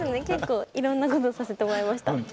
結構いろんなことをさせてもらいました。